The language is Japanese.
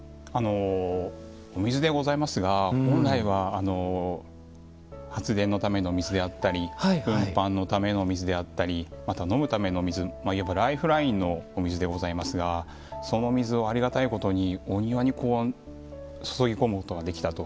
お水でございますが本来は発電のための水であったり運搬のための水であったりまた、飲むための水ライフラインのお水でございますがその水をありがたいことにお庭にそそぎ込むことができたと。